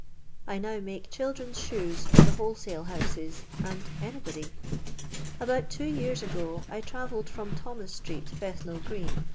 I now make children's shoes for the wholesale houses and anybody. About two years ago I travelled from Thomas street, Bethnal green